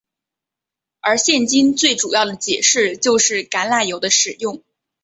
而现今最主要的解释就是橄榄油的使用。